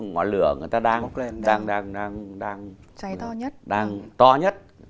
ngọn lửa người ta đang to nhất